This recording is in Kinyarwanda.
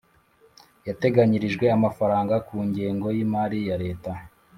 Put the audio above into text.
yateganyirijwe amafaranga ku ngengo y’imari ya leta.